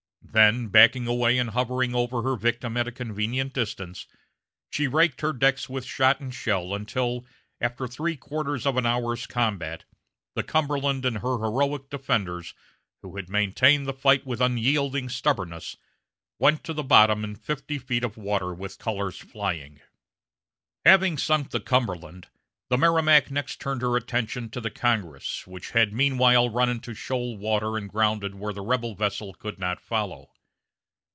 Then backing away and hovering over her victim at convenient distance, she raked her decks with shot and shell until, after three quarters of an hour's combat, the Cumberland and her heroic defenders, who had maintained the fight with unyielding stubbornness, went to the bottom in fifty feet of water with colors flying. Having sunk the Cumberland, the Merrimac next turned her attention to the Congress, which had meanwhile run into shoal water and grounded where the rebel vessel could not follow.